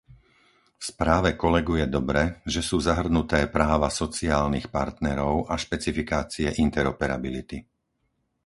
V správe kolegu je dobre, že sú zahrnuté práva sociálnych partnerov a špecifikácie interoperability.